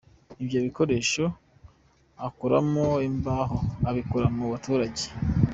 Ibyo bikoresho akoramo imbaho abikura mu baturage.